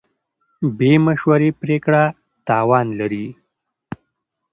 بې مشورې پرېکړه تاوان لري.